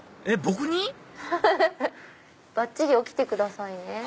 えっ僕に⁉ばっちり起きてくださいね。